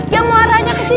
yang mau arahnya kesini